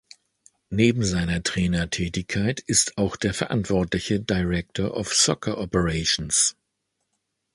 Neben seiner Trainertätigkeit ist auch der verantwortliche "Director of Soccer Operations".